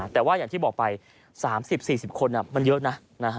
แต่ว่าอย่างที่บอกไป๓๐๔๐คนมันเยอะนะ